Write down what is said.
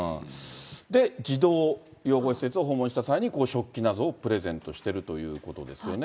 で、児童養護施設を訪問した際に、この食器などをプレゼントしているということですよね。